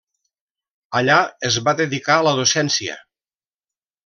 Allà es va dedicar a la docència.